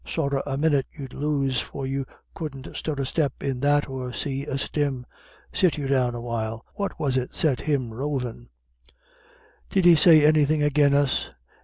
"Sorra a minyit you'll lose, for you couldn't stir a step in that or see a stim. Sit you down a while. What was it set him rovin'?" "Did he say anythin' agin us?